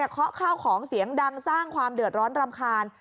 เคาะข้าวของเสียงดังสร้างความเดือดร้อนรำคาญ